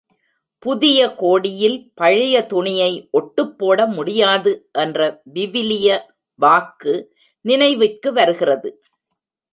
புதிய கோடியில் பழைய துணியை ஒட்டுப் போட முடியாது என்ற விவிலிய வாக்கு நினைவிற்கு வருகிறது.